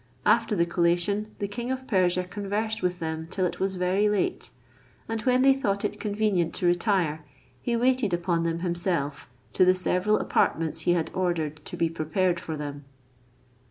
After the collation, the king of Persia conversed with them till it was very late; and when they thought it convenient to retire, he waited upon them himself to the several apartments he had ordered to be prepared for them.